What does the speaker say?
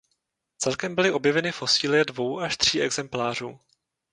Celkem byly objeveny fosilie dvou až tří exemplářů.